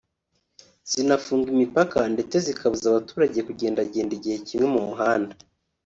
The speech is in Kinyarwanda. zinafunga imipaka ndetse zinabuza abaturage kugendagenda igihe kimwe mu muhanda